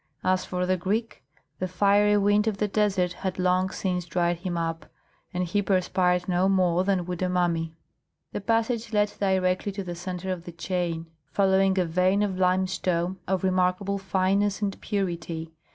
As for the Greek, the fiery wind of the desert had long since dried him up, and he perspired no more than would a mummy. The passage led directly to the centre of the chain, following a vein of limestone of remarkable fineness and purity.